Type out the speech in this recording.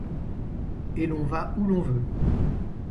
Et l’on va où l’on veut